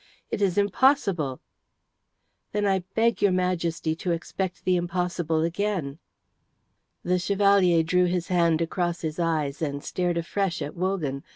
"It is impossible!" "Then I beg your Majesty to expect the impossible again." The Chevalier drew his hand across his eyes and stared afresh at Wogan.